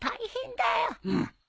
うん。